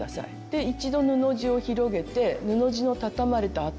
で一度布地を広げて布地の畳まれた跡